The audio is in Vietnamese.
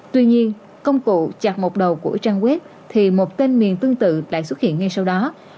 tuy nhiên công cụ chặt một đầu của trang web thì một tên miền tương tự lại xuất hiện ngay sau đó